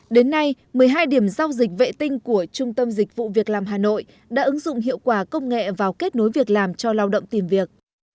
đến nay một mươi hai điểm giao dịch vệ tinh của trung tâm dịch vụ việc làm hà nội đã ứng dụng hiệu quả công nghệ vào kết nối việc làm cho lao động tìm việc